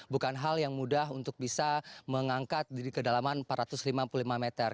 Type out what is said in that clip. bukan hal yang mudah untuk bisa mengangkat di kedalaman empat ratus lima puluh lima meter